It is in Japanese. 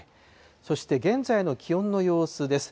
そして現在の気温の様子です。